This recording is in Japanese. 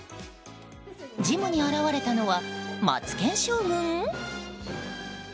ジムに現れたのはマツケン将軍？